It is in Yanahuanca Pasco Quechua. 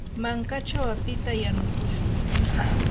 mankachaw apita yanukushun.